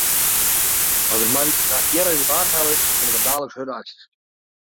As der moandeitenacht gjin resultaat helle is, komme der daliks hurde aksjes.